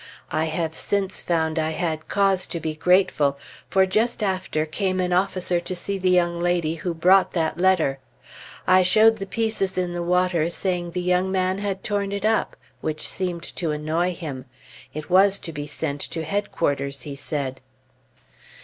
I have since found I had cause to be grateful; for just after came an officer to see the young lady who brought that letter. I showed the pieces in the water, saying the young man had torn it up, which seemed to annoy him; it was to be sent to headquarters, he said.